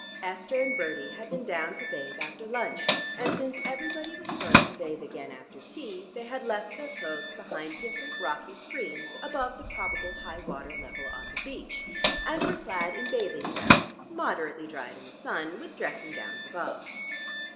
Esther and Bertie had been down to bathe after lunch, and since everybody was going to bathe again after tea, they had left their clothes behind different rocky screens above the probable high water level on the beach, and were clad in bathing dress, moderately dried in the sun, with dressing gowns above.